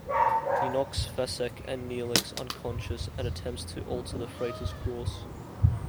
He knocks Fesek and Neelix unconscious and attempts to alter the freighter's course.